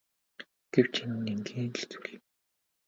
Гэвч энэ нь энгийн л зүйл.